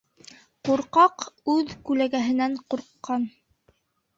Ҡурҡаҡ уҙ күләгәһенән ҡурҡҡан